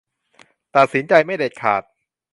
ตัดสินใจไม่เด็ดขาด